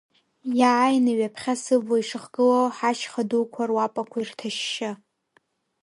Иааины ҩаԥхьа сыбла ишыхгыло ҳашьха дуқәа, руапақәа ирҭашьшьы.